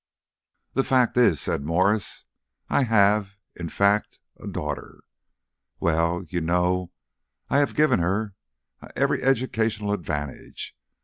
"The fact is," said Mwres, "I have a in fact a daughter. Well, you know I have given her ah every educational advantage.